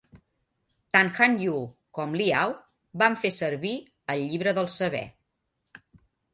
Tant Han Yu com Li Ao van fer servir el "llibre del saber".